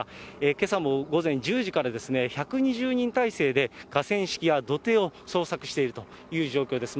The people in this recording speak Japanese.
けさも午前１０時から１２０人態勢で河川敷や土手を捜索しているという状況です。